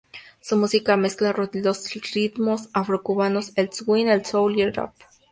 Su música mezcla los ritmos afrocubanos, el swing, el soul y el rap.